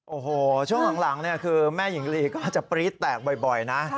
โอ้โหช่วงหลังคือแม่หญิงลีก็จะปรี๊ดแตกบ่อยนะ